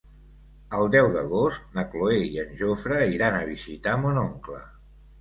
El deu d'agost na Cloè i en Jofre iran a visitar mon oncle.